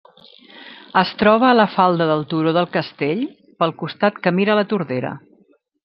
Es troba a la falda del turó del castell, pel costat que mira la Tordera.